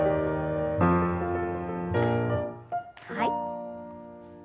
はい。